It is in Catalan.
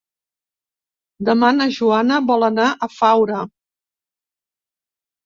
Demà na Joana vol anar a Faura.